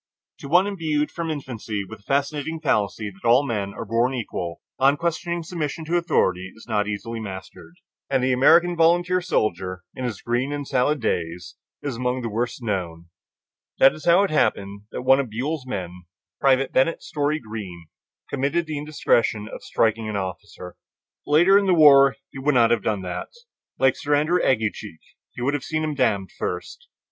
To one imbued from infancy with the fascinating fallacy that all men are born equal, unquestioning submission to authority is not easily mastered, and the American volunteer soldier in his "green and salad days" is among the worst known. That is how it happened that one of Buell's men, Private Bennett Story Greene, committed the indiscretion of striking his officer. Later in the war he would not have done that; like Sir Andrew Aguecheek, he would have "seen him damned" first.